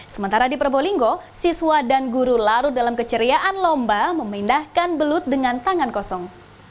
sementara di probolinggo siswa dan guru larut dalam keceriaan lomba memindahkan belut dengan tangan kosong